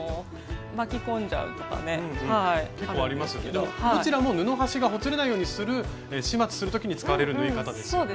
どちらも布端がほつれないようにする始末する時に使われる縫い方ですよね。